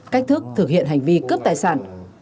cách thức thực hiện hành vi cướp tài sản